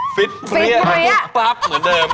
ฟิตเปรี้ยมาปุ๊บปั๊บเหมือนเดิม